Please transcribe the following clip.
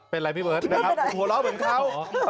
เป็นไรพี่เบิร์ตหัวเราเหมือนเขา